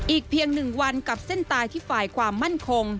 เพียง๑วันกับเส้นตายที่ฝ่ายความมั่นคง